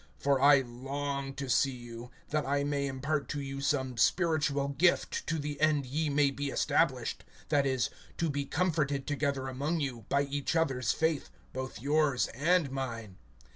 (11)For I long to see you, that I may impart to you some spiritual gift, to the end ye may be established; (12)that is, to be comforted together among you, by each other's faith, both yours and mine.